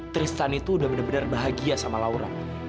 tristan itu udah bener bener bahagia sama laura